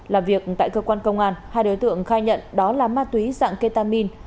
làm việc tại cơ quan công an hai đối tượng khai nhận đó là ma túy dạng ketamin